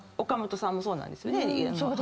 岡本さんもそうなんですよね。